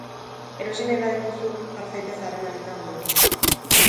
Erosi nahi badituzu, jar zaitez harremanetan gurekin.